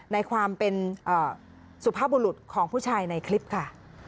ในความเป็นสุภาพบุรุษของผู้ชายในคลิปค่ะ